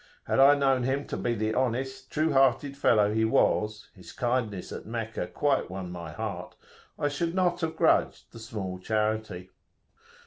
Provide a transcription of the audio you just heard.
Had I known him to be the honest, true hearted fellow he was his kindness at Meccah quite won my heart I should not have grudged the small charity.